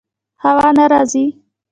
هوا نه راځي